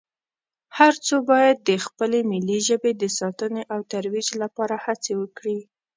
هر څو باید د خپلې ملي ژبې د ساتنې او ترویج لپاره هڅې وکړي